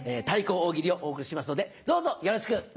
「対抗大喜利」をお送りしますのでどうぞよろしく。